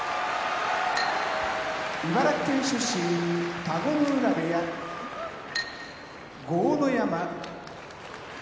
茨城県出身田子ノ浦部屋豪ノ山